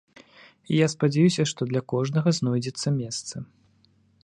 І я спадзяюся, што для кожнага знойдзецца месца.